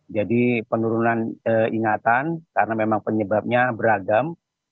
jadi penurunan ingatan karena memang penyebabnya beragam